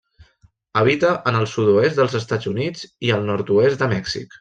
Habita en el sud-oest dels Estats Units i el nord-oest de Mèxic.